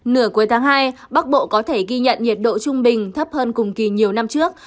nửa cuối tháng hai bắc bộ có thể ghi nhận nhiệt độ trung bình thấp hơn cùng kỳ nhiều năm trước